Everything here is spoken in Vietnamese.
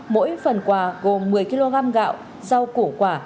mỗi phần quà gồm một mươi kg gạo rau củ quả